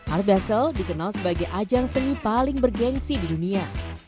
art basel dikenal sebagai ajang seni paling bergensi di dunia